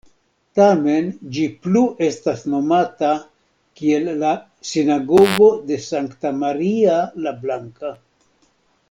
Tamen ĝi plu estas nomata kiel la "Sinagogo de Sankta Maria la Blanka".